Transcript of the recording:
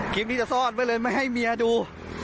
ที่จะซ่อนไว้เลยไม่ให้เมียดู